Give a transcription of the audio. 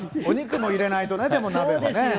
お肉も入れないとね、鍋はね。